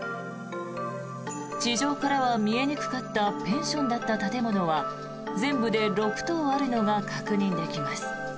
地上からは見えにくかったペンションだった建物は全部で６棟あるのが確認できます。